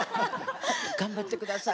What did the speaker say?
頑張ってください。